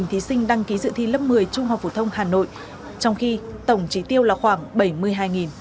trong khi tổng trí tiêu là khoảng bảy mươi hai